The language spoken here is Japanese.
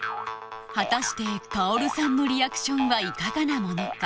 果たして薫さんのリアクションはいかがなものか？